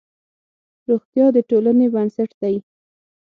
روغتیا د ټولنې بنسټ دی.